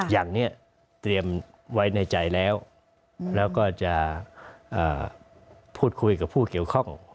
อย่างนี้เตรียมไว้ในใจแล้วแล้วก็จะพูดคุยกับผู้เกี่ยวข้อง